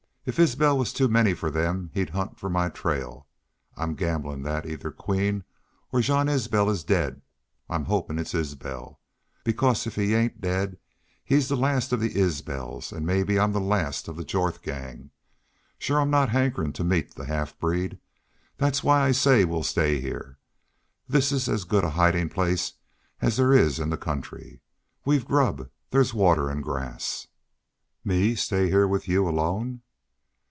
If Isbel was too many for them he'd hunt for my trail. I'm gamblin' that either Queen or Jean Isbel is daid. I'm hopin' it's Isbel. Because if he ain't daid he's the last of the Isbels, an' mebbe I'm the last of Jorth's gang.... Shore I'm not hankerin' to meet the half breed. That's why I say we'll stay heah. This is as good a hidin' place as there is in the country. We've grub. There's water an' grass." "Me stay heah with y'u alone!"